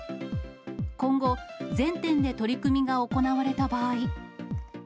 今後、全店で取り組みが行われた場合。